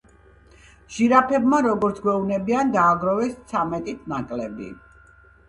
ჟირაფებმა როგორც გვეუბნებიან დააგროვეს ცამეტით ნაკლები.